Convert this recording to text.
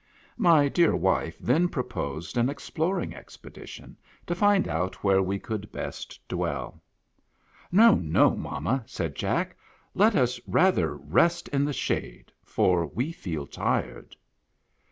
My dear wife then proposed an exploring expedi tion, to find out where we could best dwell. " No, no, mamma," said Jack, " let us rather rest in the shade, for we feel tired."